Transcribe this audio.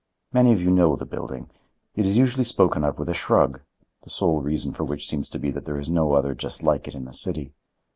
Many of you know the building. It is usually spoken of with a shrug, the sole reason for which seems to be that there is no other just like it in the city.